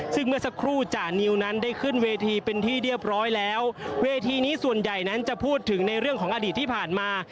ซึ่งเมื่อสักครู่จานิวนั้นได้ขึ้นเวทีเป็นที่เรียบร้อยแล้วเวทีนี้ส่วนใหญ่นั้นจะพูดถึงในเรื่องของอดีตที่ผ่านมา